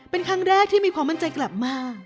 เป็นครั้งแรกที่มีความมั่นใจกลับมา